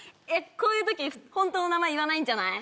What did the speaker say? こういうとき本当の名前言わないんじゃない？